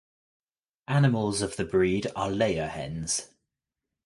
Animals of the breed are layer hens.